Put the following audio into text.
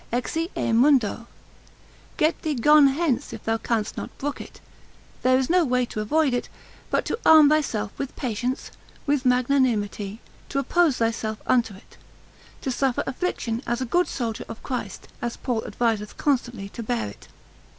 Exi e mundo, get thee gone hence if thou canst not brook it; there is no way to avoid it, but to arm thyself with patience, with magnanimity, to oppose thyself unto it, to suffer affliction as a good soldier of Christ; as Paul adviseth constantly to bear it.